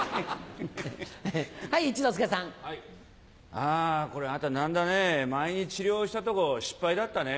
あこれあんた何だね前に治療したとこ失敗だったね。